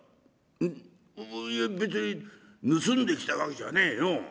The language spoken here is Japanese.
「いや別に盗んできたわけじゃねえよ。